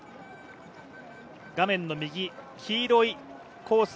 画面の右、黄色いコース